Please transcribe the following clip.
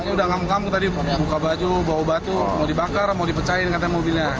udah ngam ngam tadi buka baju bawa batu mau dibakar mau dipecahin katanya mobilnya